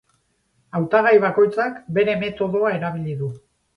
Hautagai bakoitzak bere metodoa erabili du.